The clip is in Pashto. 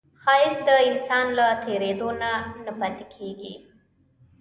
ښایست د انسان له تېرېدو نه نه پاتې کېږي